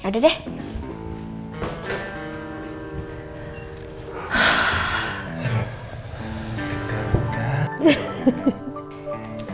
ya udah deh